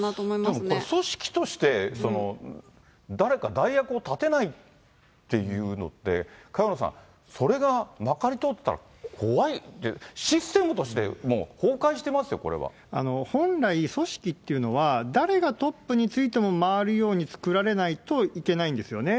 たぶんこれ、組織として誰か代役を立てないっていうのって、萱野さん、それがまかり通ったら怖い、システムとしてもう崩壊し本来、組織っていうのは、誰がトップについても回るように作られないといけないんですよね。